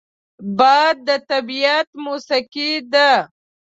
باد د طبیعت موسیقي ده